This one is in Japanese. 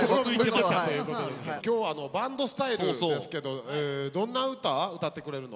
今日はバンドスタイルですけどどんな歌歌ってくれるの？